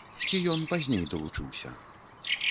Ці ён пазней далучыўся?